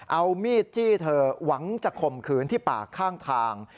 เอามีดจี้เธอหวังจะข่มขืนที่ป่าข้างทาง